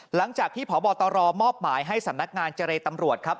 หลังจากที่พบตรมอบหมายให้สำนักงานเจรตำรวจครับ